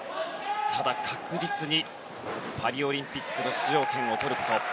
ただ、確実にパリオリンピックの出場権をとること。